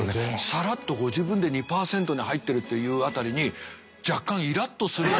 サラッとご自分で２％に入ってるという辺りに若干イラッとする。